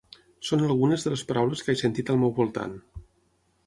Són algunes de les paraules que he sentit al meu voltant.